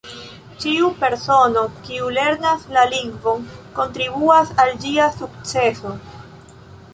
Ĉiu persono, kiu lernas la lingvon, kontribuas al ĝia sukceso.